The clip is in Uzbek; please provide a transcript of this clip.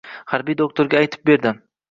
Harbiy do‘xtirga aytib berdi.